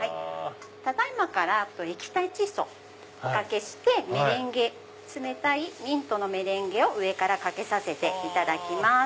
ただ今から液体窒素おかけして冷たいミントのメレンゲを上からかけさせていただきます。